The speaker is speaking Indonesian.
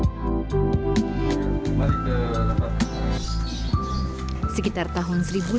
di pusat kerajinan batik tertua di solo